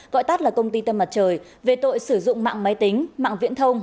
gọi tắt là công ty tâm mặt trời về tội sử dụng mạng máy tính mạng viễn thông